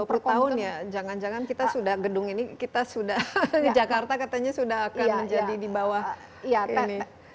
dua puluh tahun ya jangan jangan kita sudah gedung ini kita sudah di jakarta katanya sudah akan menjadi di bawah ini